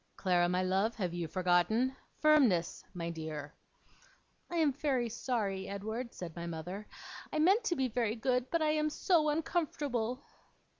Clara, my love, have you forgotten? Firmness, my dear!' 'I am very sorry, Edward,' said my mother. 'I meant to be very good, but I am so uncomfortable.